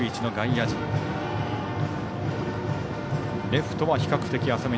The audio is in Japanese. レフトは比較的浅め。